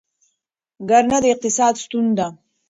کرنه د اقتصاد ستون ده.